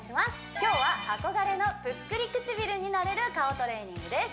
今日は憧れのぷっくり唇になれる顔トレーニングです